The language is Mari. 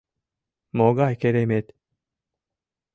Могай керемет?